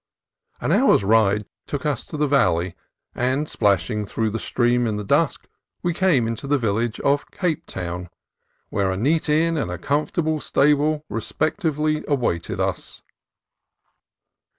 An hour's ride took us to the valley, and splashing through the stream in the dusk we came into the village of Capetown, where a neat inn and a com fortable stable respectively awaited us.